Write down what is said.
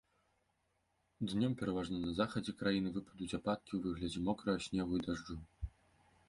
Днём пераважна па захадзе краіны выпадуць ападкі ў выглядзе мокрага снегу і дажджу.